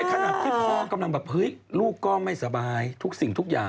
ขนาดที่พ่อกำลังแบบเฮ้ยลูกก็ไม่สบายทุกสิ่งทุกอย่าง